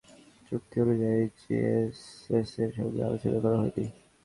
আইনটি প্রণয়নের সময় পার্বত্য চুক্তি অনুযায়ী জেএসএসের সঙ্গে আলোচনা করা হয়নি।